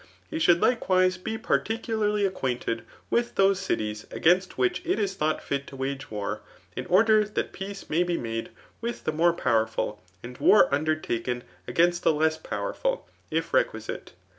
He should likewise be particu ^ lariy acquainted with those cities against which it is thought fit to wage war, iii order that peace may be made with the more powerful, and war undertaken igaiast the less powerful, if requisite.